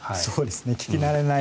聞き慣れない